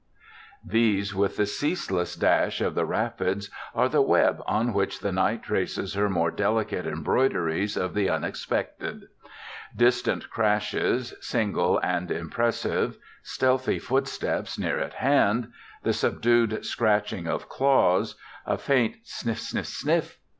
These, with the ceaseless dash of the rapids, are the web on which the night traces her more delicate embroideries of the unexpected. Distant crashes, single and impressive; stealthy footsteps near at hand; the subdued scratching of claws; a faint _sniff! sniff! sniff!